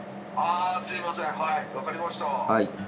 すみませんわかりました。